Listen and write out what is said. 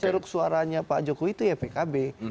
ceruk suaranya pak jokowi itu ya pkb